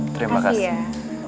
terima kasih ya